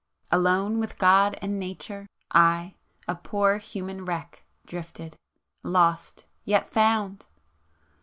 Alone with God and Nature, I, a poor human wreck, drifted,——lost, yet found!